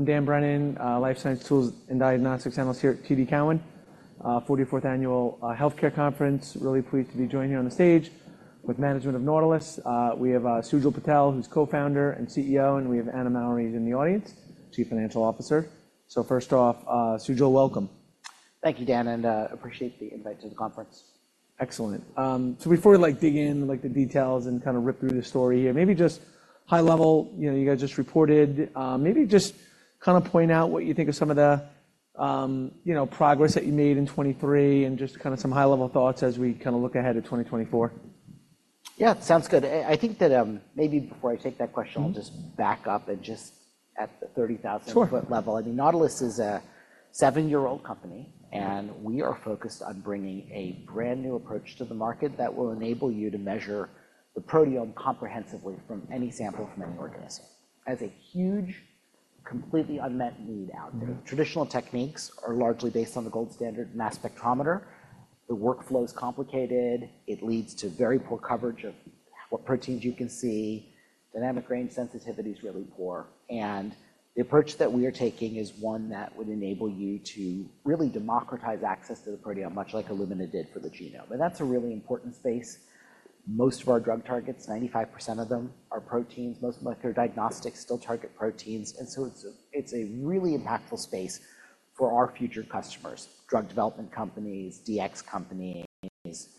I'm Dan Brennan, Life Science Tools and Diagnostics Analyst here at TD Cowen 44th Annual Health Care Conference. Really pleased to be joining here on the stage with management of Nautilus. We have Sujal Patel, who's co-founder and CEO, and we have Anna Mowry in the audience, Chief Financial Officer. So first off, Sujal, welcome. Thank you, Dan, and appreciate the invite to the conference. Excellent. So before, like, dig in, like, to the details and kind of rip through the story here, maybe just high level, you know, you guys just reported, maybe just kind of point out what you think of some of the, you know, progress that you made in 2023 and just kind of some high-level thoughts as we kind of look ahead to 2024. Yeah, sounds good. I, I think that, maybe before I take that question, I'll just back up and just at the 30,000-foot level. Sure. I mean, Nautilus is a 7-year-old company, and we are focused on bringing a brand new approach to the market that will enable you to measure the proteome comprehensively from any sample, from any organism. Yeah. There's a huge, completely unmet need out there. Traditional techniques are largely based on the gold standard mass spectrometer. The workflow's complicated. It leads to very poor coverage of what proteins you can see. Dynamic range sensitivity's really poor. And the approach that we are taking is one that would enable you to really democratize access to the proteome, much like Illumina did for the genome. And that's a really important space. Most of our drug targets, 95% of them, are proteins. Most of my career, diagnostics still target proteins. And so it's a it's a really impactful space for our future customers: drug development companies, DX companies,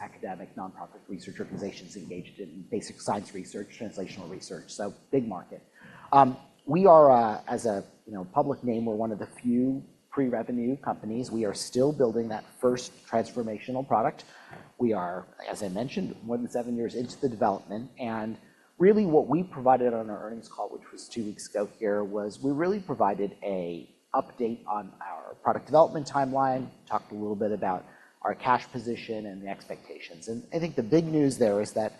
academic nonprofit research organizations engaged in basic science research, translational research. So big market. We are, as a, you know, public name, we're one of the few pre-revenue companies. We are still building that first transformational product. We are, as I mentioned, more than 7 years into the development. And really what we provided on our earnings call, which was 2 weeks ago here, was we really provided a update on our product development timeline, talked a little bit about our cash position and the expectations. And I think the big news there is that,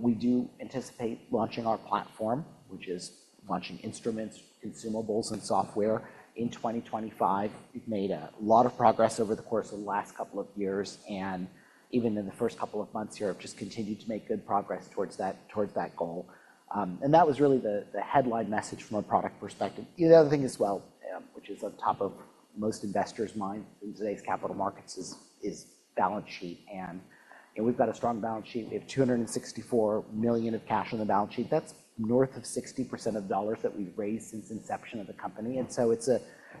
we do anticipate launching our platform, which is launching instruments, consumables, and software in 2025. We've made a lot of progress over the course of the last couple of years, and even in the first couple of months here, I've just continued to make good progress towards that towards that goal. And that was really the, the headline message from a product perspective. The other thing as well, which is on top of most investors' minds in today's capital markets, is, is balance sheet. You know, we've got a strong balance sheet. We have $264 million of cash on the balance sheet. That's north of 60% of dollars that we've raised since inception of the company. And so it's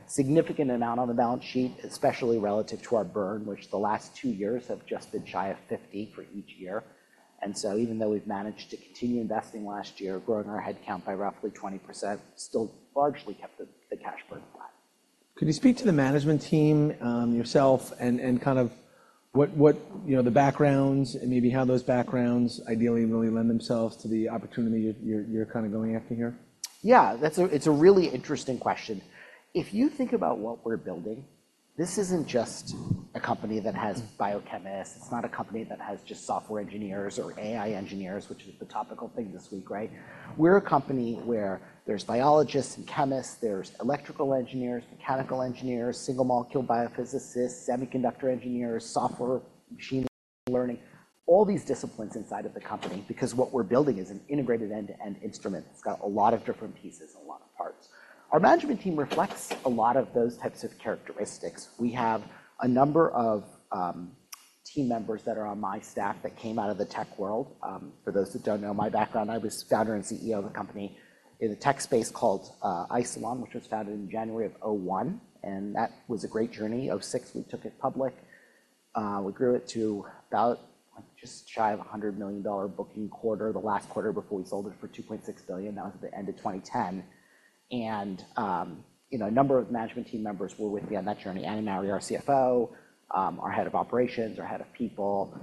a significant amount on the balance sheet, especially relative to our burn, which the last 2 years have just been shy of $50 million for each year. And so even though we've managed to continue investing last year, growing our headcount by roughly 20%, still largely kept the cash burn flat. Could you speak to the management team, yourself, and kind of what you know, the backgrounds and maybe how those backgrounds ideally really lend themselves to the opportunity you're kind of going after here? Yeah, that's a, it's a really interesting question. If you think about what we're building, this isn't just a company that has biochemists. It's not a company that has just software engineers or AI engineers, which is the topical thing this week, right? We're a company where there's biologists and chemists. There's electrical engineers, mechanical engineers, single-molecule biophysicists, semiconductor engineers, software machine learning, all these disciplines inside of the company. Because what we're building is an integrated end-to-end instrument. It's got a lot of different pieces, a lot of parts. Our management team reflects a lot of those types of characteristics. We have a number of team members that are on my staff that came out of the tech world. For those that don't know my background, I was founder and CEO of the company in a tech space called Isilon, which was founded in January of 2001. That was a great journey. 2006, we took it public. We grew it to about, like, just shy of $100 million booking quarter, the last quarter before we sold it for $2.6 billion. That was at the end of 2010. You know, a number of management team members were with me on that journey, Anna Mowry, our CFO, our head of operations, our head of people.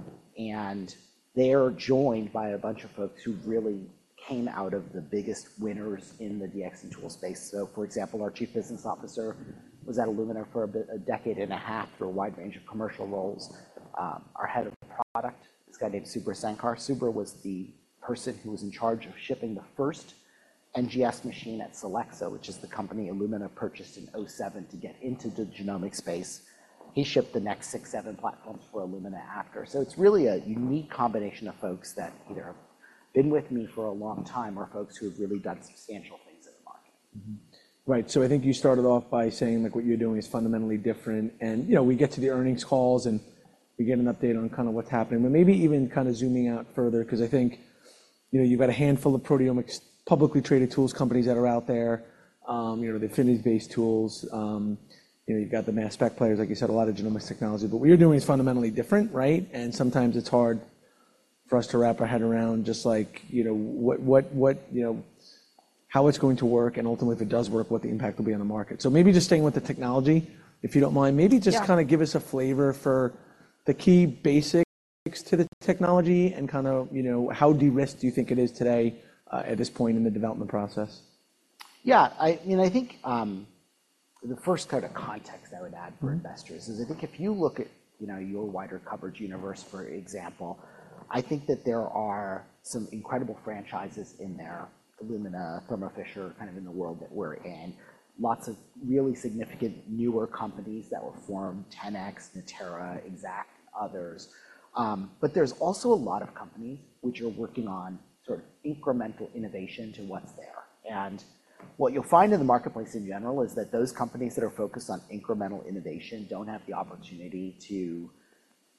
They are joined by a bunch of folks who really came out of the biggest winners in the DX and tool space. So, for example, our Chief Business Officer was at Illumina for about a decade and a half through a wide range of commercial roles. Our head of product, this guy named Subra Sankar, Subra was the person who was in charge of shipping the first NGS machine at Solexa, which is the company Illumina purchased in 2007 to get into the genomic space. He shipped the next 6, 7 platforms for Illumina after. So it's really a unique combination of folks that either have been with me for a long time or folks who have really done substantial things in the market. Mm-hmm. Right. So I think you started off by saying, like, what you're doing is fundamentally different. And, you know, we get to the earnings calls, and we get an update on kind of what's happening. But maybe even kind of zooming out further, 'cause I think, you know, you've got a handful of proteomics publicly traded tools companies that are out there. You know, the affinity-based tools. You know, you've got the mass spec players, like you said, a lot of genomics technology. But what you're doing is fundamentally different, right? And sometimes it's hard for us to wrap our head around just, like, you know, what, what, what, you know, how it's going to work, and ultimately, if it does work, what the impact will be on the market. Maybe just staying with the technology, if you don't mind, maybe just kind of give us a flavor for the key basics to the technology and kind of, you know, how de-risked do you think it is today, at this point in the development process? Yeah, I mean, I think, the first kind of context I would add for investors is I think if you look at, you know, your wider coverage universe, for example, I think that there are some incredible franchises in there, Illumina, Thermo Fisher, kind of in the world that we're in, lots of really significant newer companies that were formed, 10x, Natera, Exact, others. But there's also a lot of companies which are working on sort of incremental innovation to what's there. And what you'll find in the marketplace in general is that those companies that are focused on incremental innovation don't have the opportunity to, you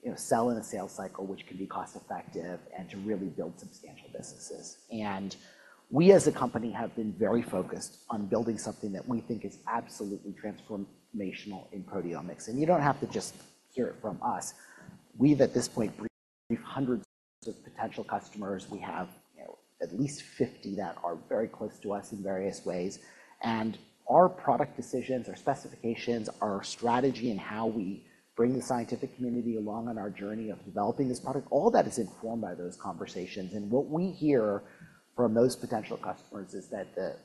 know, sell in a sales cycle, which can be cost-effective, and to really build substantial businesses. And we, as a company, have been very focused on building something that we think is absolutely transformational in proteomics. You don't have to just hear it from us. We, at this point, brief hundreds of potential customers. We have, you know, at least 50 that are very close to us in various ways. Our product decisions, our specifications, our strategy in how we bring the scientific community along on our journey of developing this product, all that is informed by those conversations. What we hear from those potential customers is that the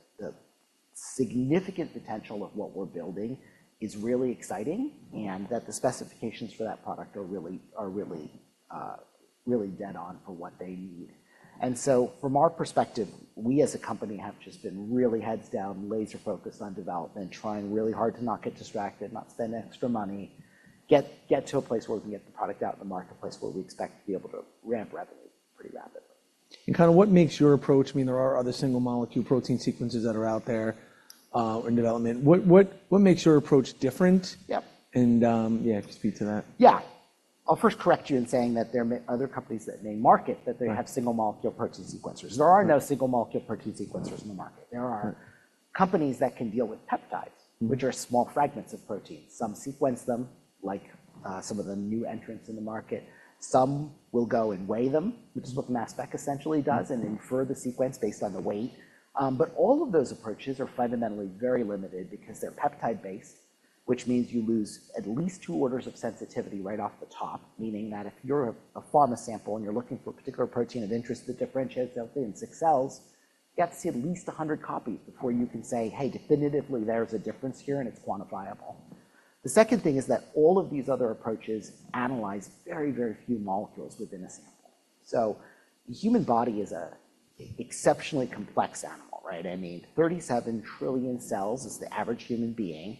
significant potential of what we're building is really exciting and that the specifications for that product are really, really dead on for what they need. And so from our perspective, we, as a company, have just been really heads down, laser-focused on development, trying really hard to not get distracted, not spend extra money, get to a place where we can get the product out in the marketplace where we expect to be able to ramp revenue pretty rapidly. Kind of, what makes your approach? I mean, there are other single-molecule protein sequences that are out there, in development. What, what, what makes your approach different? Yep. Yeah, if you speak to that. Yeah. I'll first correct you in saying that there may be other companies that claim to market that they have single-molecule protein sequencers. There are no single-molecule protein sequencers in the market. There are companies that can deal with peptides, which are small fragments of protein. Some sequence them, like, some of the new entrants in the market. Some will go and weigh them, which is what mass spec essentially does, and infer the sequence based on the weight. But all of those approaches are fundamentally very limited because they're peptide-based, which means you lose at least two orders of sensitivity right off the top, meaning that if you're a plasma sample and you're looking for a particular protein of interest that differentiates healthy and sick cells, you have to see at least 100 copies before you can say, "Hey, definitively, there's a difference here, and it's quantifiable." The second thing is that all of these other approaches analyze very, very few molecules within a sample. So the human body is an exceptionally complex animal, right? I mean, 37 trillion cells is the average human being.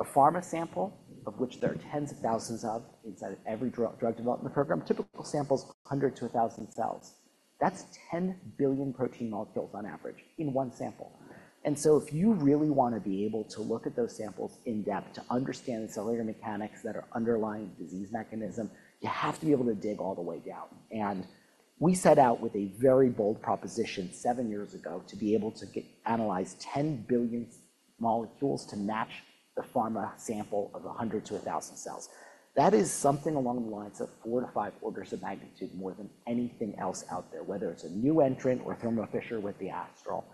A plasma sample, of which there are tens of thousands of inside of every drug development program, typical sample's 100-1,000 cells. That's 10 billion protein molecules on average in one sample. So if you really want to be able to look at those samples in depth to understand the cellular mechanics that are underlying disease mechanism, you have to be able to dig all the way down. We set out with a very bold proposition 7 years ago to be able to analyze 10 billion molecules to match the pharma sample of 100-1,000 cells. That is something along the lines of 4-5 orders of magnitude more than anything else out there, whether it's a new entrant or Thermo Fisher with the Astral.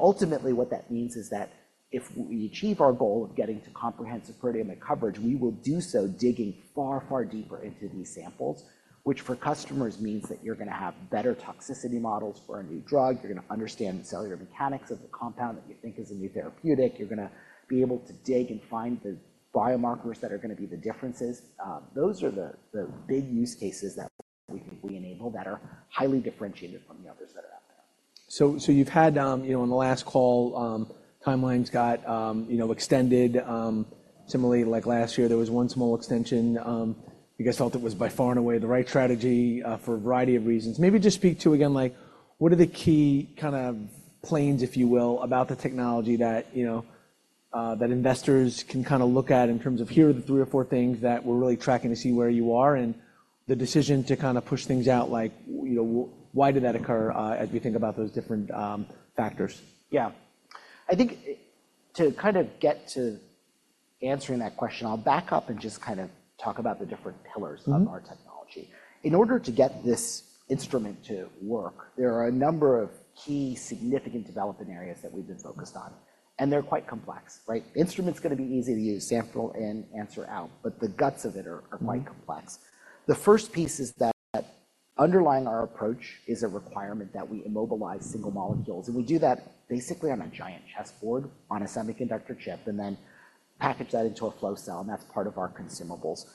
Ultimately, what that means is that if we achieve our goal of getting to comprehensive proteomic coverage, we will do so digging far, far deeper into these samples, which for customers means that you're going to have better toxicity models for a new drug. You're going to understand the cellular mechanics of the compound that you think is a new therapeutic. You're going to be able to dig and find the biomarkers that are going to be the differences. Those are the big use cases that we think we enable that are highly differentiated from the others that are out there. So, so you've had, you know, on the last call, timelines got, you know, extended. Similarly, like last year, there was one small extension. You guys felt it was by far and away the right strategy, for a variety of reasons. Maybe just speak to again, like, what are the key kind of plans, if you will, about the technology that, you know, that investors can kind of look at in terms of, "Here are the 3 or 4 things that we're really tracking to see where you are," and the decision to kind of push things out, like, you know, why did that occur, as we think about those different factors? Yeah. I think to kind of get to answering that question, I'll back up and just kind of talk about the different pillars of our technology. In order to get this instrument to work, there are a number of key significant development areas that we've been focused on. And they're quite complex, right? The instrument's going to be easy to use, sample in, answer out. But the guts of it are, are quite complex. The first piece is that underlying our approach is a requirement that we immobilize single molecules. And we do that basically on a giant chessboard, on a semiconductor chip, and then package that into a flow cell. And that's part of our consumables.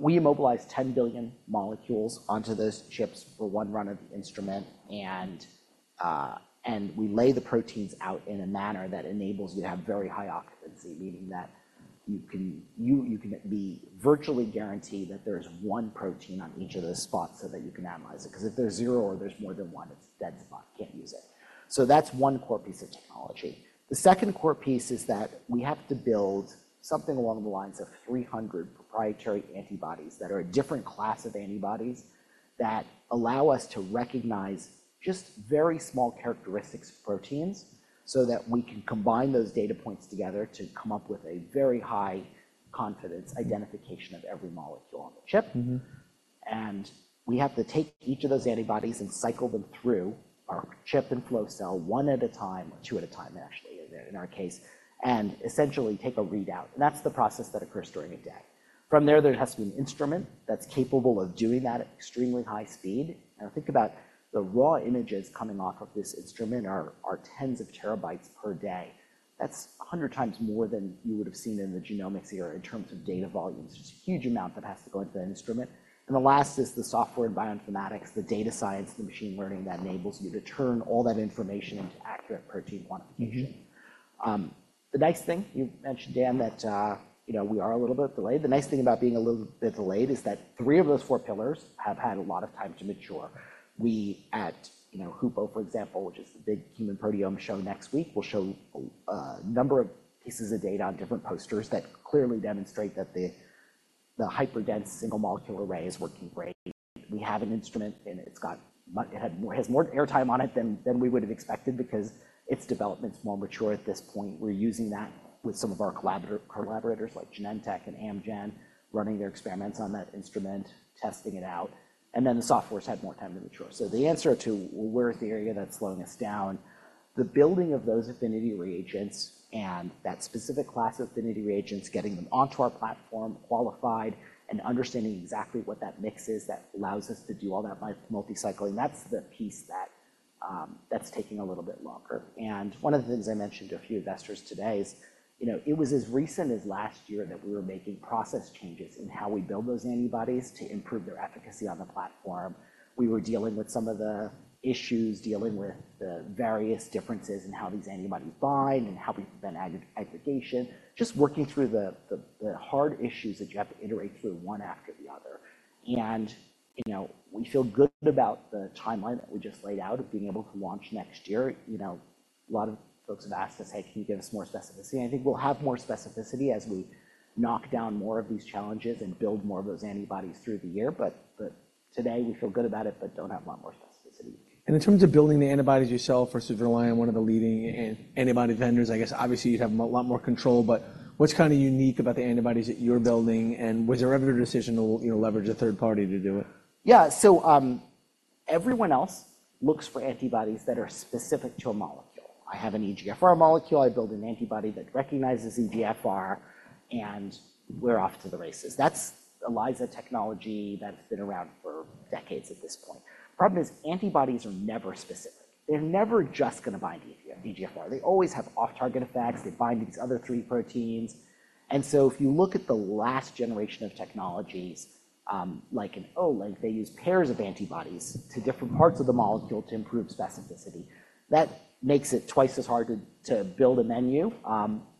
We immobilize 10 billion molecules onto those chips for one run of the instrument. We lay the proteins out in a manner that enables you to have very high occupancy, meaning that you can be virtually guaranteed that there is one protein on each of those spots so that you can analyze it. 'Cause if there's 0 or there's more than one, it's dead spot. Can't use it. So that's one core piece of technology. The second core piece is that we have to build something along the lines of 300 proprietary antibodies that are a different class of antibodies that allow us to recognize just very small characteristics of proteins so that we can combine those data points together to come up with a very high confidence identification of every molecule on the chip. Mm-hmm. We have to take each of those antibodies and cycle them through our chip and flow cell one at a time or two at a time, actually, in our case, and essentially take a readout. That's the process that occurs during a day. From there, there has to be an instrument that's capable of doing that at extremely high speed. Think about the raw images coming off of this instrument are tens of terabytes per day. That's 100 times more than you would have seen in the genomics era in terms of data volumes. It's a huge amount that has to go into that instrument. The last is the software and bioinformatics, the data science, the machine learning that enables you to turn all that information into accurate protein quantification. The nice thing you mentioned, Dan, that, you know, we are a little bit delayed. The nice thing about being a little bit delayed is that 3 of those 4 pillars have had a lot of time to mature. We at, you know, HUPO, for example, which is the big human proteome show next week, will show a number of pieces of data on different posters that clearly demonstrate that the hyperdense single-molecule array is working great. We have an instrument, and it has more airtime on it than we would have expected because its development's more mature at this point. We're using that with some of our collaborators like Genentech and Amgen running their experiments on that instrument, testing it out. And then the software's had more time to mature. So the answer to, well, where's the area that's slowing us down? The building of those affinity reagents and that specific class of affinity reagents, getting them onto our platform, qualified, and understanding exactly what that mix is that allows us to do all that multi-cycling, that's the piece that, that's taking a little bit longer. And one of the things I mentioned to a few investors today is, you know, it was as recent as last year that we were making process changes in how we build those antibodies to improve their efficacy on the platform. We were dealing with some of the issues, dealing with the various differences in how these antibodies bind and how they aggregate, just working through the hard issues that you have to iterate through one after the other. And, you know, we feel good about the timeline that we just laid out of being able to launch next year. You know, a lot of folks have asked us, "Hey, can you give us more specificity?" And I think we'll have more specificity as we knock down more of these challenges and build more of those antibodies through the year. But today, we feel good about it but don't have a lot more specificity. In terms of building the antibodies yourself versus relying on one of the leading antibody vendors, I guess, obviously, you'd have a lot more control. But what's kind of unique about the antibodies that you're building? Was there ever a decision to, you know, leverage a third party to do it? Yeah. So, everyone else looks for antibodies that are specific to a molecule. I have an EGFR molecule. I build an antibody that recognizes EGFR. And we're off to the races. That's an ELISA technology that's been around for decades at this point. The problem is antibodies are never specific. They're never just going to bind EGFR. They always have off-target effects. They bind to these other three proteins. And so if you look at the last generation of technologies, like in Olink, they use pairs of antibodies to different parts of the molecule to improve specificity. That makes it twice as hard to build a menu,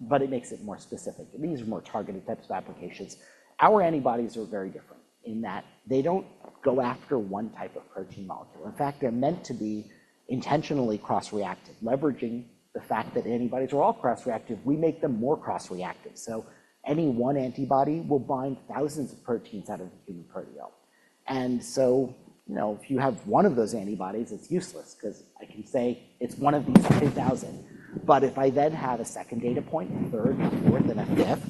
but it makes it more specific. And these are more targeted types of applications. Our antibodies are very different in that they don't go after one type of protein molecule. In fact, they're meant to be intentionally cross-reactive. Leveraging the fact that antibodies are all cross-reactive, we make them more cross-reactive. So any one antibody will bind thousands of proteins out of the human proteome. And so, you know, if you have one of those antibodies, it's useless because I can say it's one of these 3,000. But if I then have a second data point, a third, a fourth, and a fifth,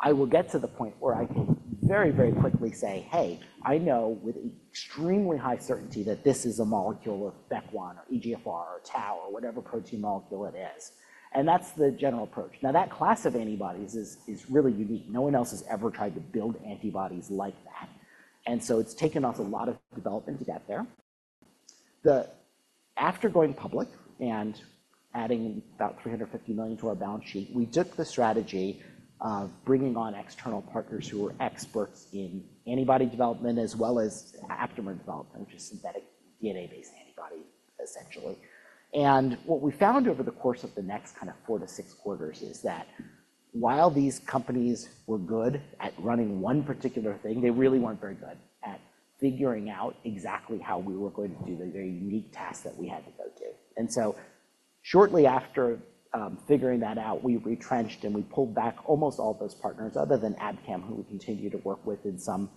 I will get to the point where I can very, very quickly say, "Hey, I know with extremely high certainty that this is a molecule of BACE1 or EGFR or Tau or whatever protein molecule it is." And that's the general approach. Now, that class of antibodies is really unique. No one else has ever tried to build antibodies like that. And so it's taken us a lot of development to get there. Then, after going public and adding about $350 million to our balance sheet, we took the strategy of bringing on external partners who were experts in antibody development as well as aftermarket development, which is synthetic DNA-based antibody, essentially. And what we found over the course of the next kind of 4-6 quarters is that while these companies were good at running one particular thing, they really weren't very good at figuring out exactly how we were going to do the very unique task that we had to go to. And so shortly after, figuring that out, we retrenched and we pulled back almost all of those partners other than Abcam, who we continue to work with in some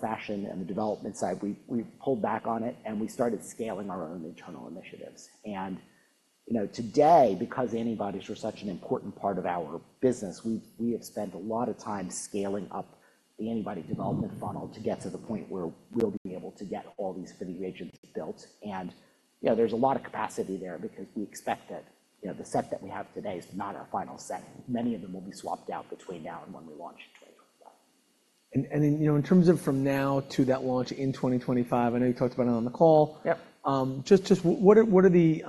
fashion on the development side. We pulled back on it, and we started scaling our own internal initiatives. You know, today, because antibodies are such an important part of our business, we have spent a lot of time scaling up the antibody development funnel to get to the point where we'll be able to get all these reagents built. You know, there's a lot of capacity there because we expect that, you know, the set that we have today is not our final set. Many of them will be swapped out between now and when we launch in 2025. Then, you know, in terms of from now to that launch in 2025, I know you talked about it on the call. Yep. Just, what are the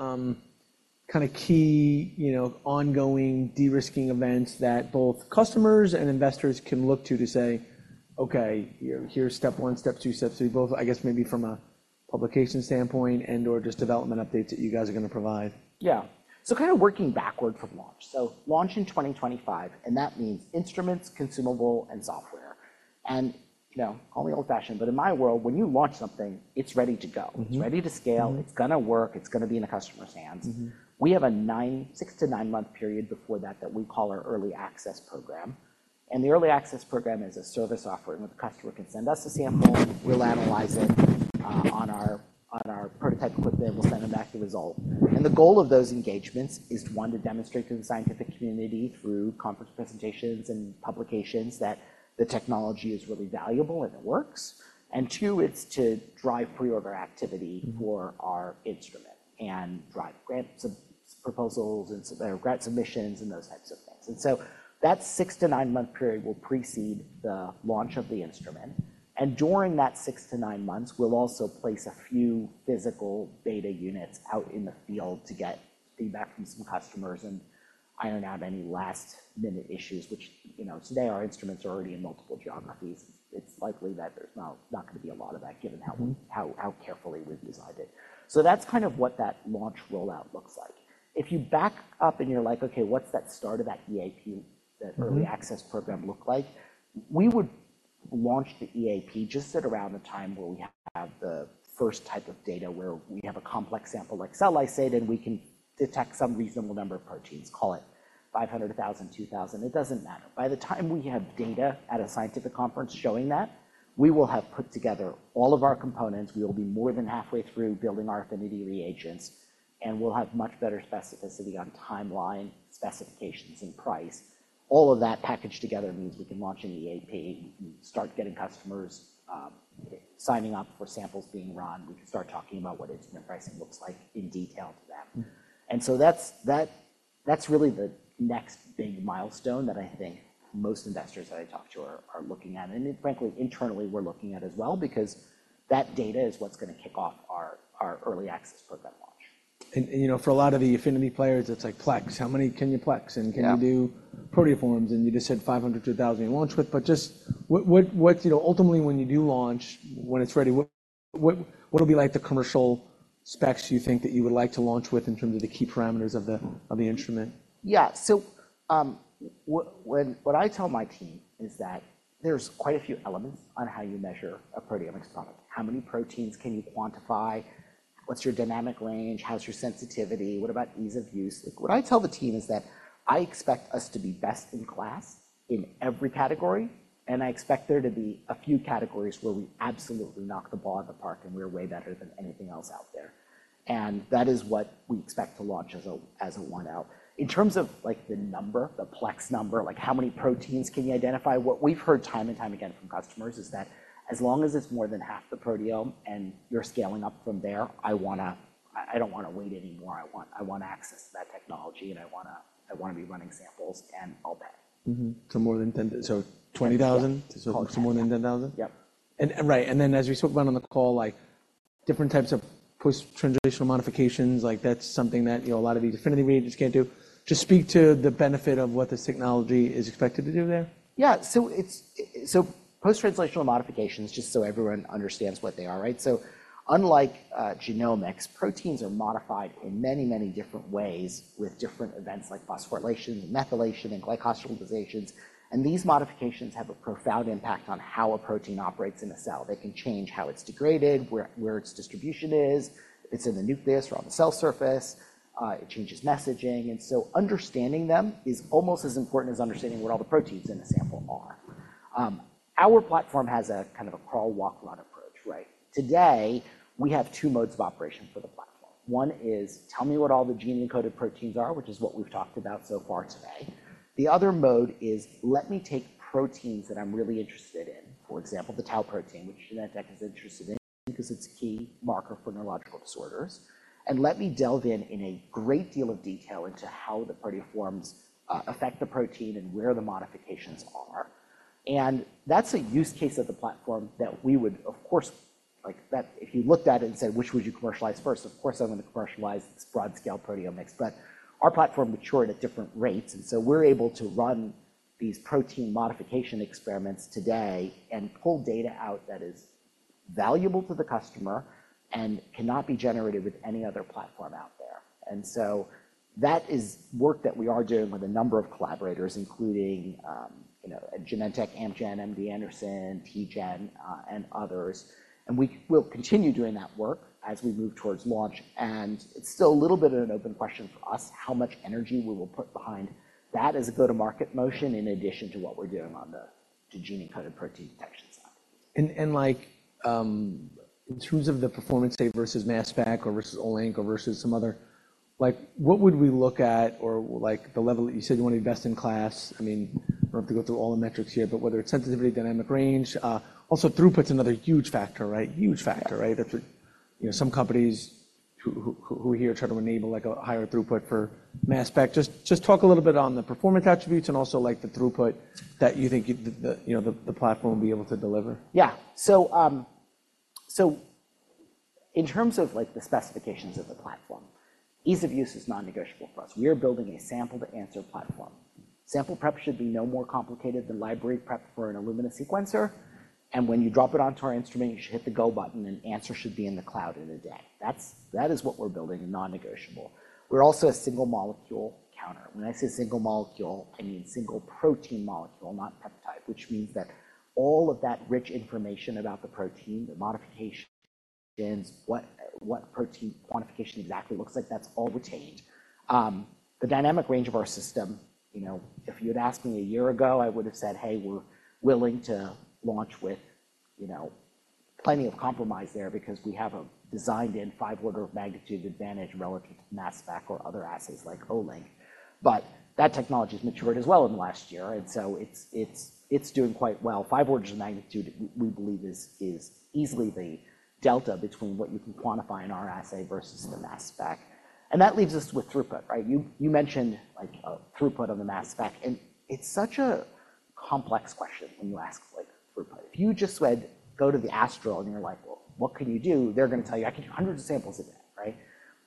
kind of key, you know, ongoing de-risking events that both customers and investors can look to to say, "Okay, here, here's step one, step two, step three," both, I guess, maybe from a publication standpoint and/or just development updates that you guys are going to provide? Yeah. So kind of working backward from launch. So launch in 2025, and that means instruments, consumable, and software. And, you know, call me old-fashioned, but in my world, when you launch something, it's ready to go. It's ready to scale. It's going to work. It's going to be in a customer's hands. We have a 9- to 12-month period before that that we call our early access program. And the early access program is a service offering where the customer can send us a sample. We'll analyze it on our prototype equipment. We'll send them back the result. And the goal of those engagements is, one, to demonstrate to the scientific community through conference presentations and publications that the technology is really valuable and it works. And two, it's to drive pre-order activity for our instrument and drive grant submission proposals and submission or grant submissions and those types of things. So that 6-9-month period will precede the launch of the instrument. During that 6-9 months, we'll also place a few physical data units out in the field to get feedback from some customers and iron out any last-minute issues, which, you know, today, our instruments are already in multiple geographies. It's likely that there's not going to be a lot of that given how carefully we've designed it. So that's kind of what that launch rollout looks like. If you back up and you're like, "Okay, what's that start of that EAP, that early access program, look like?" We would launch the EAP just at around the time where we have the first type of data where we have a complex sample like cell lysate, and we can detect some reasonable number of proteins. Call it 500, 1000, 2000. It doesn't matter. By the time we have data at a scientific conference showing that, we will have put together all of our components. We will be more than halfway through building our affinity reagents. And we'll have much better specificity on timeline, specifications, and price. All of that packaged together means we can launch an EAP, start getting customers, signing up for samples being run. We can start talking about what instrument pricing looks like in detail to them. And so that's really the next big milestone that I think most investors that I talk to are looking at. And frankly, internally, we're looking at as well because that data is what's going to kick off our early access program launch. And you know, for a lot of the affinity players, it's like plex. How many can you plex? And can you do proteoforms? And you just said 500-1,000 you launch with. But just what, you know, ultimately, when you do launch, when it's ready, what'll be like the commercial specs you think that you would like to launch with in terms of the key parameters of the instrument? Yeah. So, when what I tell my team is that there's quite a few elements on how you measure a proteomics product. How many proteins can you quantify? What's your dynamic range? How's your sensitivity? What about ease of use? Like, what I tell the team is that I expect us to be best in class in every category. And I expect there to be a few categories where we absolutely knock the ball in the park and we're way better than anything else out there. And that is what we expect to launch as a one-out. In terms of, like, the number, the plex number, like, how many proteins can you identify? What we've heard time and time again from customers is that as long as it's more than half the proteome and you're scaling up from there, I don't want to wait anymore.I want access to that technology. I want to be running samples. I'll pay. Mm-hmm. So more than 10, so 20,000? Yeah. So it's more than 10,000? Yep. Right. And then, as we spoke about on the call, like, different types of post-translational modifications—like, that's something that, you know, a lot of the affinity reagents can't do. Just speak to the benefit of what this technology is expected to do there. Yeah. So it's post-translational modifications, just so everyone understands what they are, right? So unlike genomics, proteins are modified in many, many different ways with different events like phosphorylation and methylation and glycosylations. And these modifications have a profound impact on how a protein operates in a cell. They can change how it's degraded, where its distribution is, if it's in the nucleus or on the cell surface. It changes messaging. And so understanding them is almost as important as understanding what all the proteins in a sample are. Our platform has a kind of a crawl, walk, run approach, right? Today, we have two modes of operation for the platform. One is, "Tell me what all the gene-encoded proteins are," which is what we've talked about so far today. The other mode is, "Let me take proteins that I'm really interested in," for example, the Tau protein, which Genentech is interested in because it's a key marker for neurological disorders. "And let me delve in in a great deal of detail into how the proteoforms affect the protein and where the modifications are." That's a use case of the platform that we would, of course, like, that if you looked at it and said, "Which would you commercialize first?" Of course, I'm going to commercialize this broad-scale proteomics. But our platform matured at different rates. And so we're able to run these protein modification experiments today and pull data out that is valuable to the customer and cannot be generated with any other platform out there. And so that is work that we are doing with a number of collaborators, including, you know, Genentech, Amgen, MD Anderson, TGen, and others. We will continue doing that work as we move towards launch. It's still a little bit of an open question for us how much energy we will put behind that as a go-to-market motion in addition to what we're doing on the to gene-encoded protein detection side. Like, in terms of the performance stats versus mass spec or versus Olink or versus some other, like, what would we look at or, like, the level that you said you want to invest in class? I mean, we don't have to go through all the metrics here, but whether it's sensitivity, dynamic range, also throughput's another huge factor, right? Huge factor, right? That's what, you know, some companies who here try to enable, like, a higher throughput for mass spec. Just talk a little bit on the performance attributes and also, like, the throughput that you think the, you know, the platform will be able to deliver. Yeah. So, so in terms of, like, the specifications of the platform, ease of use is non-negotiable for us. We are building a sample-to-answer platform. Sample prep should be no more complicated than library prep for an Illumina sequencer. And when you drop it onto our instrument, you should hit the go button. And answer should be in the cloud in a day. That's that is what we're building, non-negotiable. We're also a single-molecule counter. When I say single-molecule, I mean single protein molecule, not peptide, which means that all of that rich information about the protein, the modifications, what, what protein quantification exactly looks like, that's all retained. The dynamic range of our system, you know, if you had asked me a year ago, I would have said, "Hey, we're willing to launch with, you know, plenty of compromise there because we have a designed-in five orders of magnitude advantage relative to mass spec or other assays like Olink." But that technology has matured as well in the last year. And so it's doing quite well. Five orders of magnitude, we believe is easily the delta between what you can quantify in our assay versus the mass spec. And that leaves us with throughput, right? You mentioned, like, a throughput on the mass spec. And it's such a complex question when you ask, like, throughput. If you just said, "Go to the Astral," and you're like, "Well, what can you do?" They're going to tell you, "I can do hundreds of samples a day," right?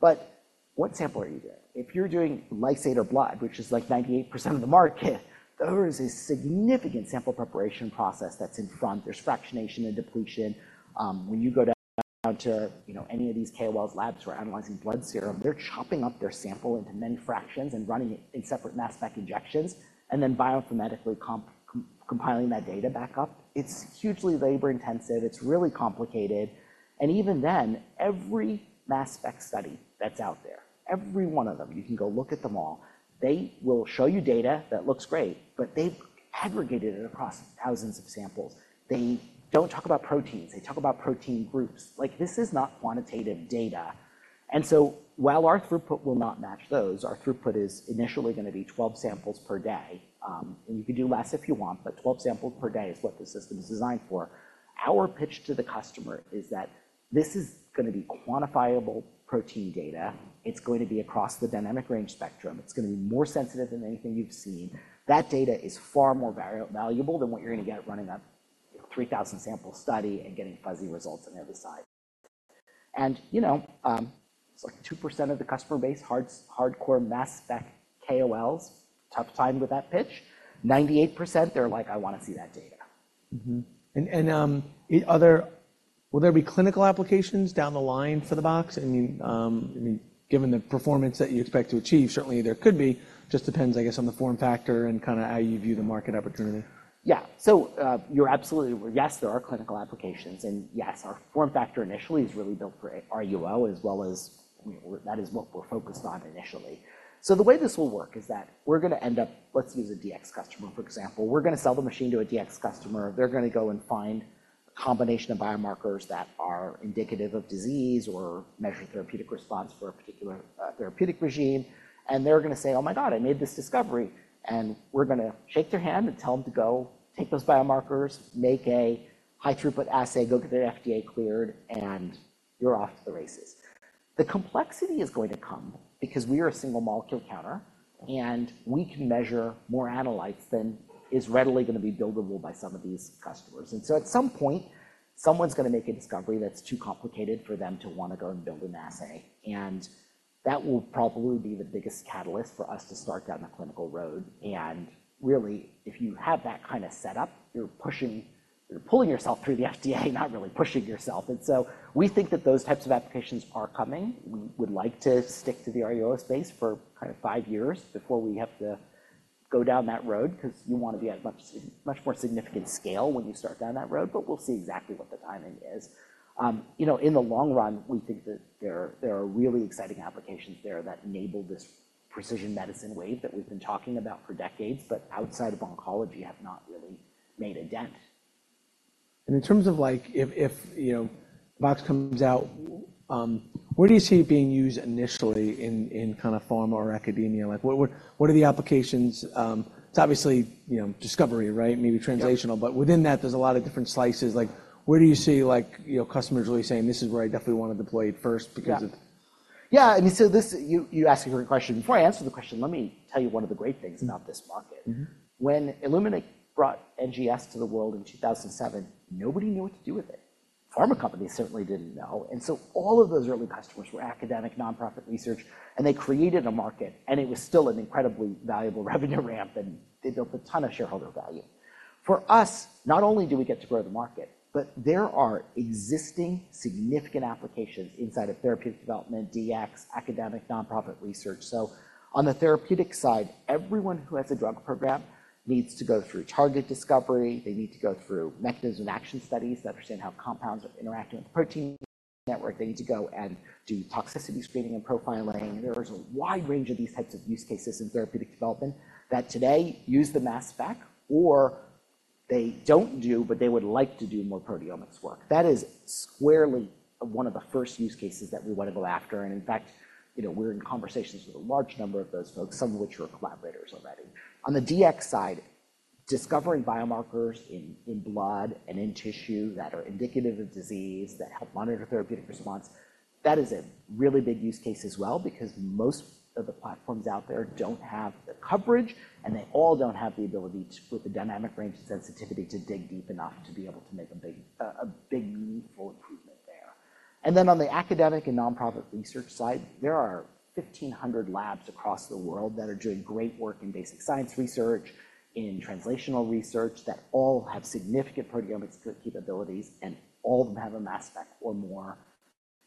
But what sample are you doing? If you're doing lysate or blood, which is like 98% of the market, there is a significant sample preparation process that's in front. There's fractionation and depletion. When you go down to, you know, any of these KOLs labs who are analyzing blood serum, they're chopping up their sample into many fractions and running it in separate mass spec injections and then bioinformatically compiling that data back up. It's hugely labor-intensive. It's really complicated. And even then, every mass spec study that's out there, every one of them, you can go look at them all. They will show you data that looks great, but they've aggregated it across thousands of samples. They don't talk about proteins. They talk about protein groups. Like, this is not quantitative data. And so while our throughput will not match those, our throughput is initially going to be 12 samples per day. And you can do less if you want, but 12 samples per day is what the system is designed for. Our pitch to the customer is that this is going to be quantifiable protein data. It's going to be across the dynamic range spectrum. It's going to be more sensitive than anything you've seen. That data is far more valuable than what you're going to get running a 3,000-sample study and getting fuzzy results on the other side. And, you know, it's like 2% of the customer base, hard, hardcore mass spec KOLs, tough time with that pitch. 98%, they're like, "I want to see that data. Mm-hmm. And will there be clinical applications down the line for the box? I mean, given the performance that you expect to achieve, certainly there could be. Just depends, I guess, on the form factor and kind of how you view the market opportunity. Yeah. So, you're absolutely right. Yes, there are clinical applications. Yes, our form factor initially is really built for RUO as well as, I mean, that is what we're focused on initially. So the way this will work is that we're going to end up, let's use a DX customer, for example. We're going to sell the machine to a DX customer. They're going to go and find a combination of biomarkers that are indicative of disease or measure therapeutic response for a particular therapeutic regime. And they're going to say, "Oh my God, I made this discovery." And we're going to shake their hand and tell them to go take those biomarkers, make a high-throughput assay, go get their FDA cleared, and you're off to the races. The complexity is going to come because we are a single-molecule counter. We can measure more analytes than is readily going to be buildable by some of these customers. And so at some point, someone's going to make a discovery that's too complicated for them to want to go and build an assay. And that will probably be the biggest catalyst for us to start down the clinical road. And really, if you have that kind of setup, you're pulling yourself through the FDA, not really pushing yourself. And so we think that those types of applications are coming. We would like to stick to the RUO space for kind of 5 years before we have to go down that road because you want to be at much, much more significant scale when you start down that road. But we'll see exactly what the timing is. You know, in the long run, we think that there, there are really exciting applications there that enable this precision medicine wave that we've been talking about for decades but outside of oncology have not really made a dent. In terms of, like, if you know, the box comes out, where do you see it being used initially in kind of pharma or academia? Like, what are the applications? It's obviously, you know, discovery, right? Maybe translational. But within that, there's a lot of different slices. Like, where do you see, like, you know, customers really saying, "This is where I definitely want to deploy it first because of"? Yeah. Yeah. I mean, so you asked a great question. Before I answer the question, let me tell you one of the great things about this market. Mm-hmm. When Illumina brought NGS to the world in 2007, nobody knew what to do with it. Pharma companies certainly didn't know. And so all of those early customers were academic, nonprofit research. And they created a market. And it was still an incredibly valuable revenue ramp. And they built a ton of shareholder value. For us, not only do we get to grow the market, but there are existing significant applications inside of therapeutic development, DX, academic, nonprofit research. So on the therapeutic side, everyone who has a drug program needs to go through target discovery. They need to go through mechanism action studies to understand how compounds are interacting with the protein network. They need to go and do toxicity screening and profiling. There is a wide range of these types of use cases in therapeutic development that today use the mass spec or they don't do, but they would like to do more proteomics work. That is squarely one of the first use cases that we want to go after. In fact, you know, we're in conversations with a large number of those folks, some of which are collaborators already. On the DX side, discovering biomarkers in blood and in tissue that are indicative of disease, that help monitor therapeutic response, that is a really big use case as well because most of the platforms out there don't have the coverage. They all don't have the ability to with the dynamic range and sensitivity to dig deep enough to be able to make a big meaningful improvement there. And then on the academic and nonprofit research side, there are 1,500 labs across the world that are doing great work in basic science research, in translational research that all have significant proteomics capabilities. And all of them have a mass spec or more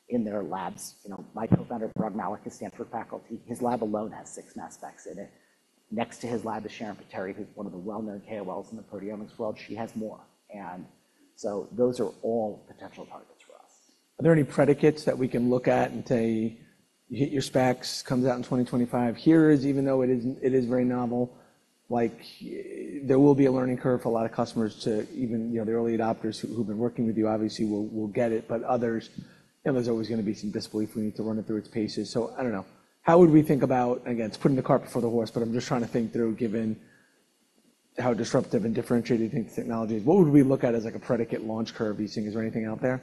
in their labs. You know, my co-founder, Parag Mallick, is Stanford faculty. His lab alone has six mass specs in it. Next to his lab is Sharon Pitteri, who's one of the well-known KOLs in the proteomics world. She has more. And so those are all potential targets for us. Are there any predicates that we can look at and say, "You hit your specs, comes out in 2025, here is" even though it isn't, it is very novel, like, there will be a learning curve for a lot of customers to even, you know, the early adopters who've been working with you, obviously, will get it. But others, you know, there's always going to be some disbelief. We need to run it through its paces. So I don't know. How would we think about, again, it's putting the cart before the horse, but I'm just trying to think through, given how disruptive and differentiated you think the technology is, what would we look at as, like, a predicate launch curve? Do you think is there anything out there?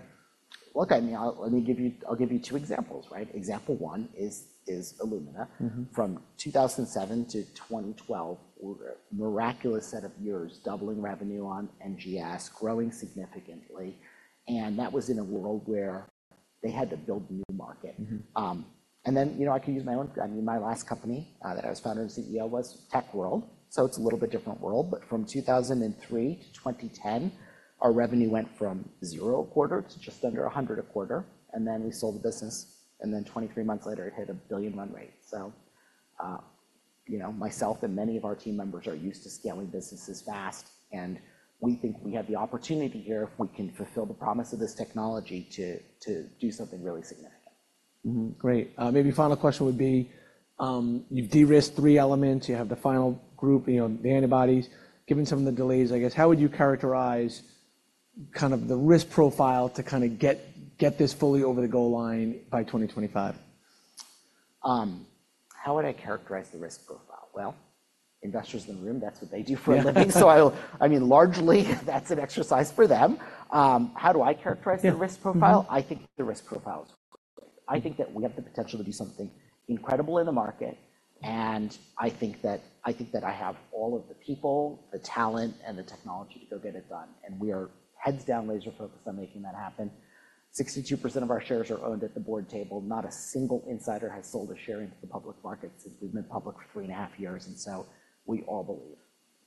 Look, I mean, I'll give you two examples, right? Example one is Illumina. Mm-hmm. From 2007 to 2012, we're a miraculous set of years, doubling revenue on NGS, growing significantly. That was in a world where they had to build a new market. Mm-hmm. Then, you know, I can use my own—I mean, my last company that I was founder and CEO of was Isilon. So it's a little bit different world. But from 2003 to 2010, our revenue went from $0 a quarter to just under $100 a quarter. And then we sold the business. And then 23 months later, it hit a $1 billion run rate. So, you know, myself and many of our team members are used to scaling businesses fast. And we think we have the opportunity here if we can fulfill the promise of this technology to do something really significant. Great. Maybe final question would be, you've de-risked three elements. You have the final group, you know, the antibodies. Given some of the delays, I guess, how would you characterize kind of the risk profile to kind of get this fully over the goal line by 2025? How would I characterize the risk profile? Well, investors in the room, that's what they do for a living. So I mean, largely, that's an exercise for them. How do I characterize the risk profile? Yeah. I think the risk profile is great. I think that we have the potential to do something incredible in the market. And I think that I think that I have all of the people, the talent, and the technology to go get it done. And we are heads down laser-focused on making that happen. 62% of our shares are owned at the board table. Not a single insider has sold a share into the public market since we've been public for three and a half years. And so we all believe.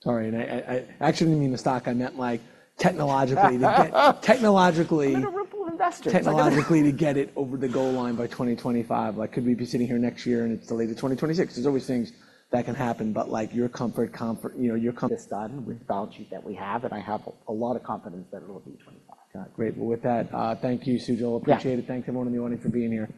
Sorry. I actually didn't mean the stock. I meant, like, technologically, to get technologically. We're a ripple of investors. Technologically, to get it over the goal line by 2025. Like, could we be sitting here next year and it's delayed to 2026? There's always things that can happen. But, like, your comfort, you know, your. This is done with the balance sheet that we have. I have a lot of confidence that it'll be 2025. Got it. Great. Well, with that, thank you, Sujal. Yeah. Appreciate it. Thanks, everyone in the audience, for being here.